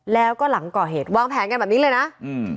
แล้วก็หลังก่อเหตุวางแผนกันแบบนี้เลยนะอืม